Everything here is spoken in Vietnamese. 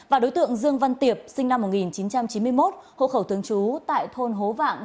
và đối tượng dương văn tiệp sinh năm một nghìn chín trăm chín mươi một hộ khẩu thường trú tại thôn hố vạn